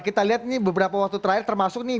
kita lihat ini beberapa waktu terakhir termasuk nih